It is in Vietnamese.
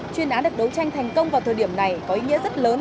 chuyên án được đấu tranh thành công vào thời điểm này có ý nghĩa rất lớn